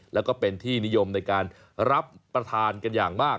แล้วก็เป็นที่นิยมในการรับประทานกันอย่างมาก